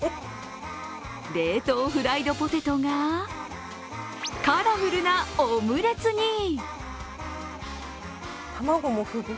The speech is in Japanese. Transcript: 冷凍フライドポテトがカラフルなオムレツに。